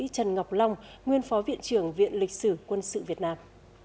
trần ngọc long nguyên phó viện trưởng viện lịch sử quân sự việt nam